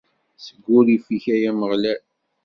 Seg wurrif-ik, ay Ameɣlal.